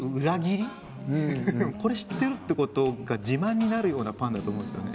これ知ってるってことが自慢になるようなパンだと思うんですよね。